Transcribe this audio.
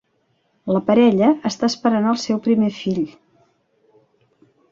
La parella està esperant el seu primer fill.